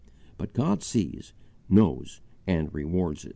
But God sees, knows, and rewards it.